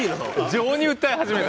情に訴え始めた。